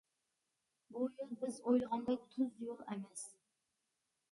بۇ يول بىز ئويلىغاندەك تۈز يول ئەمەس.